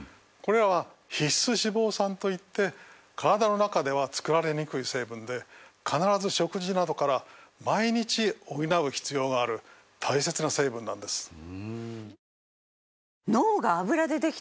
これらは必須脂肪酸といって体の中では作られにくい成分で必ず食事などから毎日補う必要がある大切な成分なんです。